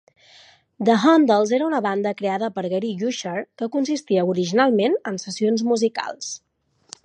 The Hondells era una banda creada per Gary Usher, que consistia originalment en sessions musicals.